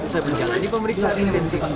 setelah menjalani pemeriksaan intensif